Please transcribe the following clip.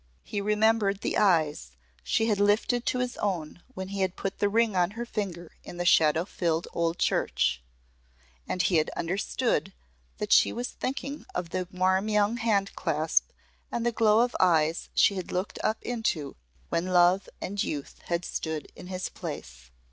He remembered the eyes she had lifted to his own when he had put the ring on her finger in the shadow filled old church and he had understood that she was thinking of the warm young hand clasp and the glow of eyes she had looked up into when love and youth had stood in his place.